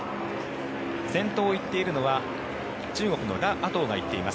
先頭を行っているのは中国のラ・アトウが行っています。